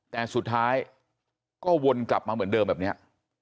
แต่สุดท้ายก็วนกลับมาเหมือนเดิมแบบนี้